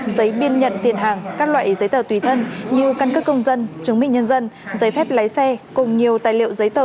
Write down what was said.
giấy biên nhận tiền hàng các loại giấy tờ tùy thân như căn cước công dân chứng minh nhân dân giấy phép lái xe cùng nhiều tài liệu giấy tờ